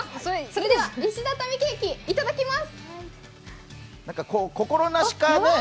それでは石畳ケーキ、いただきますやわらかい。